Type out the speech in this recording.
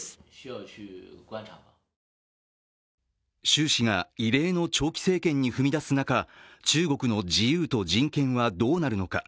習氏が異例の長期政権に踏み出す中中国の自由と人権はどうなるのか。